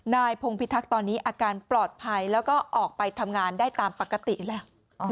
นายพงพิทักษ์ตอนนี้อาการปลอดภัยแล้วก็ออกไปทำงานได้ตามปกติแล้ว